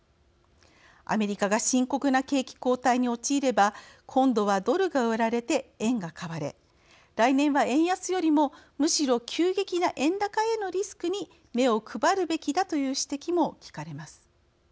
アメリカが深刻な景気後退に陥れば今度はドルが売られて円が買われ来年は円安よりもむしろ急激な円高へのリスクに目を配るべきだという指摘もきかれます。